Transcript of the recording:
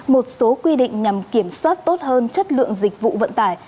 một số quy định nhằm kiểm soát tốt hơn chất lượng dịch vụ vận tải